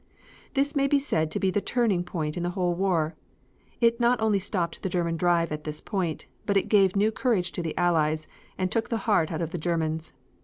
This may be said to be the turning point in the whole war. It not only stopped the German Drive at this point, but it gave new courage to the Allies and took the heart out of the Germans.